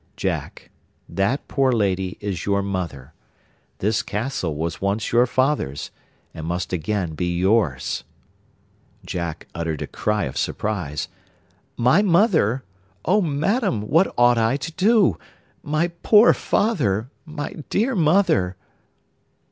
'Jack, that poor lady is your mother. This castle was once your father's, and must again be yours.' Jack uttered a cry of surprise. 'My mother! oh, madam, what ought I to do? My poor father! My dear mother!